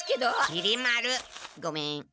きり丸。ごめん。